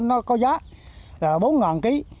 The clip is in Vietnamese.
nó có giá là bốn ngàn ký